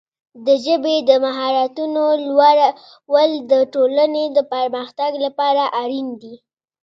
د ژبې د مهارتونو لوړول د ټولنې د پرمختګ لپاره اړین دي.